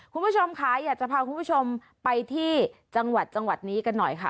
คุณผู้ชมค่ะอยากจะพาคุณผู้ชมไปที่จังหวัดจังหวัดนี้กันหน่อยค่ะ